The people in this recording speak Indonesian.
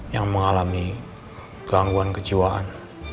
yang mengalami gangguan kejiwaan